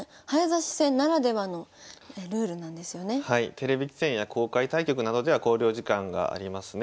テレビ棋戦や公開対局などでは考慮時間がありますね。